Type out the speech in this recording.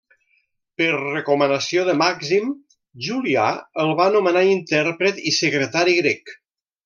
Per recomanació de Màxim, Julià el va nomenar intèrpret i secretari grec.